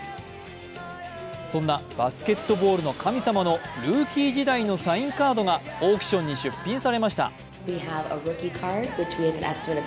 そんなバスケットボールの神様のルーキー時代のサインカードがオークションに出品されました。